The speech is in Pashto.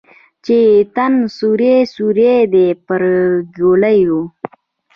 چې یې تن سوری سوری دی پر ګولیو